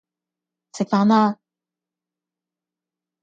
食飯啦